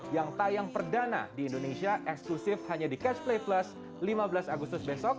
yang tayang perdana di indonesia eksklusif hanya di catch play plus lima belas agustus besok